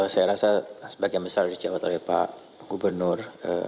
saya rasa sebagai menteri jawa tengah pak gubernur